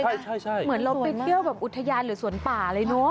ใช่เป็นอย่างจะเราไปเทียวอุทยานหรือสวนป่าอะไรเนาะ